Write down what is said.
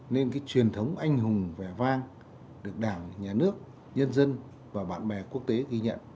nên cái truyền thống anh hùng vẻ vang được đảng nhà nước nhân dân và bạn bè quốc tế ghi nhận